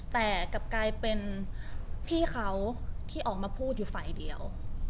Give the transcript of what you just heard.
แต่กลับกลายเป็นพี่เขาที่ออกมาพูดอยู่ฝ่ายเดียว